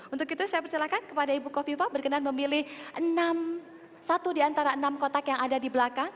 untuk itu saya persilakan kepada ibu kofifa berkenan memilih satu di antara enam kotak yang ada di belakang